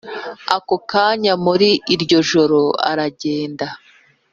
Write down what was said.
Ako kanya muri iryo joro aragenda